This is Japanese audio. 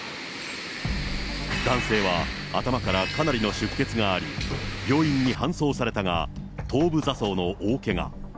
男性は、頭からかなりの出血があり、病院に搬送されたが、頭部挫創の大けが。